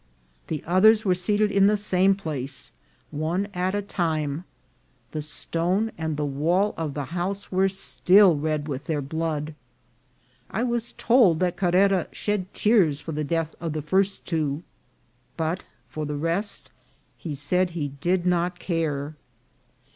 The others were seated in the same place, one at a time ; the stone and the wall of the house were still red with their blood. I was told that Carrera shed tears for the death of the first two, but for the rest he said he did not care.